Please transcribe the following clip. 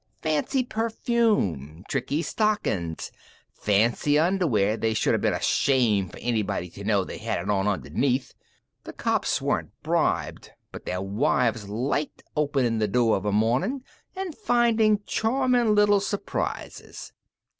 Fancy perfume. Tricky stockin's. Fancy underwear they shoulda been ashamed for anybody to know they had it on underneath. The cops weren't bribed, but their wives liked openin' the door of a mornin' an' findin' charmin' little surprises."